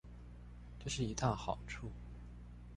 這是一大好處